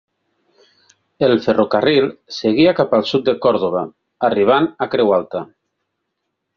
El ferrocarril seguia cap al sud de Còrdova, arribant a Creu Alta.